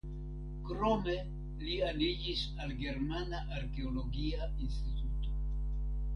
Krome li aniĝis al Germana Arkeologia Instituto.